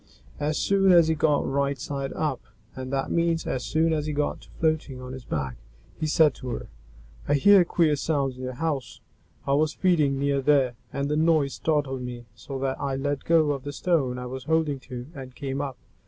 As soon as he got right side up (and that means as soon as he got to floating on his back), he said to her, "I heard queer sounds in your house; I was feeding near there, and the noise startled me so that I let go of the stone I was holding to, and came up.